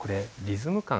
リズム感。